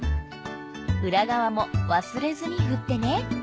裏側も忘れずにふってね。